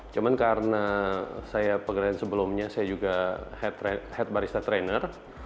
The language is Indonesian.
cuma karena saya pekerjaan sebelumnya saya juga head barista trainer